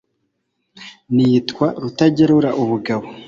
nitwa Rutagerura ubugabo